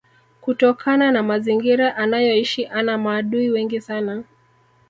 kutokana na mazingira anayoishi ana maadui wengi sana